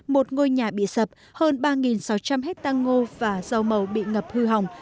một ngôi nhà bị sập hơn ba sáu trăm linh hectare ngô và rau màu bị ngập hư hỏng